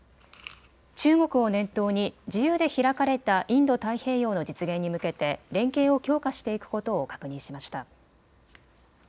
中国を念頭に自由で開かれたインド太平洋の実現に向けて連携を強化していくことを確認しました。